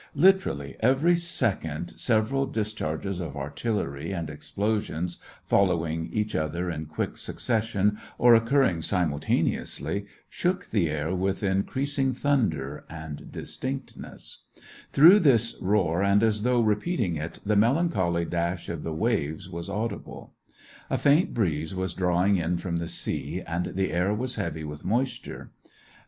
Literally, every second several dis charges of artillery and explosions, following each other in quick succession or occurring simultane ously, shook the air with increasing thunder and distinctness. Through this roar, and as though re peating it, the melancholy dash of the waves was audible. A faint breeze was drawing in from the sea, and the air was heavy with moisture. The SEVASTOPOL IN AUGUST.